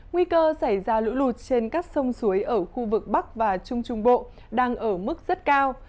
nguy cơ xảy ra lũ lụt trên các sông suối ở khu vực bắc và trung trung bộ đang ở mức rất cao